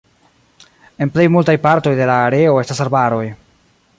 En plej multaj partoj de la areo estas arbaroj.